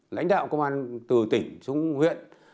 lãnh đạo công an từ tỉnh xuống huyện